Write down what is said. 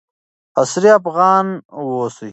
عصري افغان اوسئ.